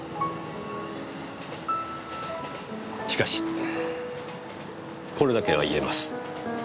しかしこれだけは言えます。